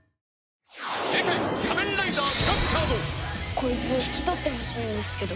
こいつ引き取ってほしいんですけど。